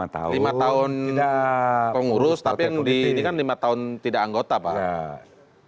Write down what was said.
lima tahun pengurus tapi yang di ini kan lima tahun tidak anggota pak